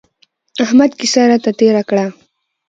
احمد کيسه راته تېره کړه.